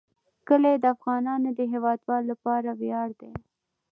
کلي د افغانستان د هیوادوالو لپاره ویاړ دی.